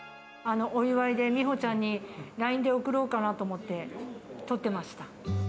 お祝いで美帆ちゃんにＬＩＮＥで送ろうかなと思って、撮ってました。